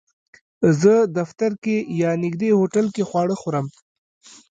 زه دفتر کې یا نږدې هوټل کې خواړه خورم